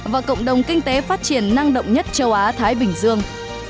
và cộng đồng kinh tế phát triển năng động nhất châu á thái bình dương